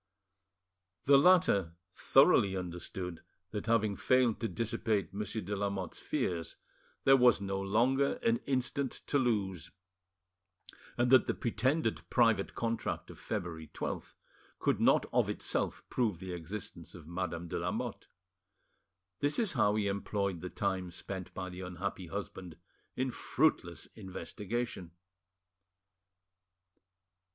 The latter thoroughly understood that, having failed to dissipate Monsieur de Lamotte's fears, there was no longer an instant to lose, and that the pretended private contract of February 12th would not of itself prove the existence of Madame de Lamotte. This is how he employed the time spent by the unhappy husband in fruitless investigation.